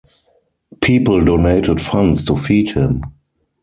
People donated funds to feed him.